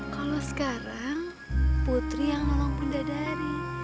kalau sekarang putri yang nolong bunda dari